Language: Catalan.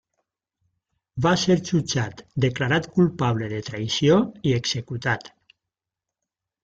Va ser jutjat, declarat culpable de traïció i executat.